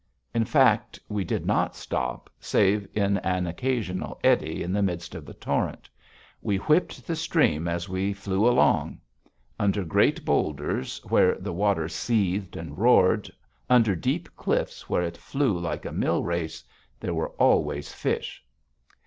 In fact, we did not stop, save in an occasional eddy in the midst of the torrent. We whipped the stream as we flew along. Under great boulders, where the water seethed and roared, under deep cliffs where it flew like a mill race, there were always fish.